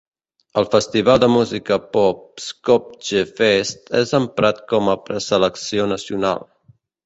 El festival de música pop Skopje Fest és emprat com a preselecció nacional.